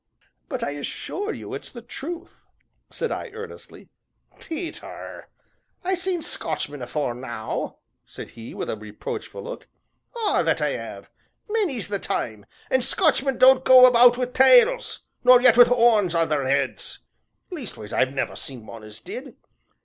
"But I assure you, it's the truth," said I earnestly. "Peter, I seen Scotchmen afore now," said he, with a reproachful look, "ah! that I 'ave, many's the time, an' Scotchmen don't go about wi' tails, nor yet wi' 'orns on their 'eads leastways I've never seen one as did.